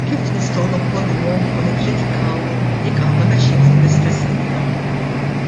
Kif nistgħu nopponuhom u nikkritikawhom jekk aħna mexjin fuq l-istess linja?